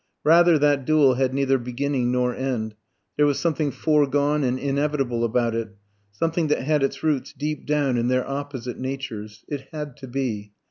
Rather, that duel had neither beginning nor end. There was something foregone and inevitable about it, something that had its roots deep down in their opposite natures. It had to be.